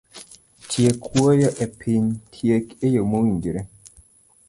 Tiek wuoyo e piny, tiek eyo mowinjore.